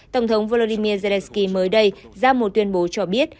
tổng thống volodymyr zelensky mới đây ra một tuyên bố cho biết